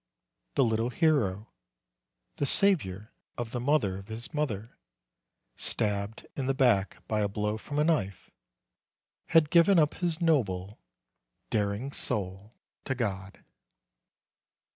The little hero, the savior of the mother of his mother, stabbed in the back by a blow from a knife, had given up his noble, daring soul to God.